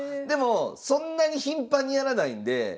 でもそんなに頻繁にやらないんで。